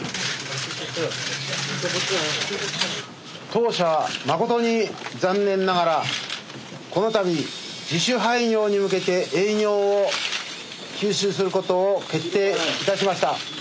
当社誠に残念ながらこの度自主廃業に向けて営業を休止することを決定いたしました。